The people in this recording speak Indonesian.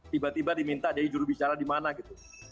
tiba tiba diminta jadi jurubicara di mana gitu